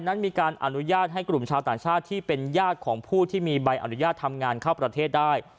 นั้นมีการอนุญาตให้กลุ่มชาวต่างชาติที่เป็นญาติของผู้ที่มีใบอนุญาตทำงานเข้าประเทศได้